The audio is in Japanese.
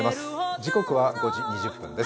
時刻は５時２０分です。